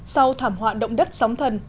sau thảm họa động đất sóng thần